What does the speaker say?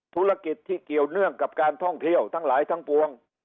ธุรกิจที่เกี่ยวเนื่องกับการท่องเที่ยวทั้งหลายทั้งปวง